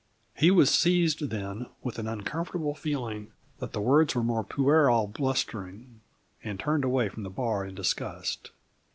He was seized then with an uncomfortable feeling that the words were mere puerile blustering and turned away from the bar in disgust.